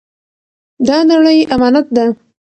دا نړۍ امانت ده.